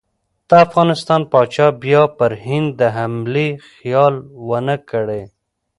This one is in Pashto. د افغانستان پاچا بیا پر هند د حملې خیال ونه کړي.